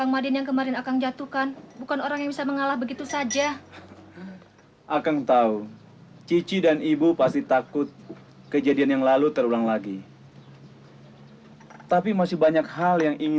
saya tidak berani mengambil resiko kalau akang sering datang ke sini lagi